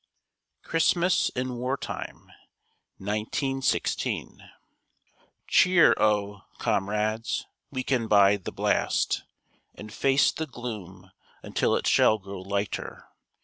CHRISTMAS IN WARTIME 1916 Cheer oh, comrades, we can bide the blast And face the gloom until it shall grow lighter.